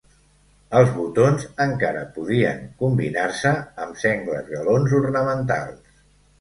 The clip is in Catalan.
Els botons, encara, podien combinar-se amb sengles galons ornamentals.